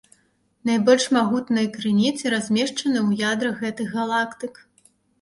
Найбольш магутныя крыніцы размешчаны ў ядрах гэтых галактык.